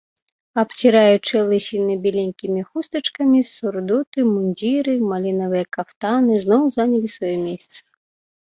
Абціраючы лысіны беленькімі хустачкамі, сурдуты, мундзіры, малінавыя кафтаны, зноў занялі свае месцы.